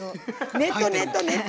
ネット、ネット。